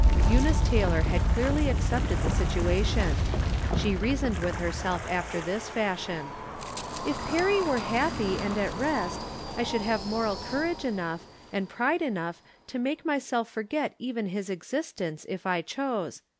Eunice Taylor had clearly accepted the situa tion. She reasoned with herself after this fash ion :" If Perry were happy and at rest, I should have moral coiu:age enough, and pride enough to make myself forget even his existence, if I chose.